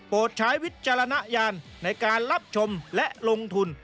ใช้วิจารณญาณในการรับชมและลงทุน